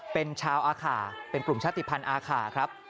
เป็นชาวอาขาเป็นกลุ่มชาติภัณฑ์อาข่าครับ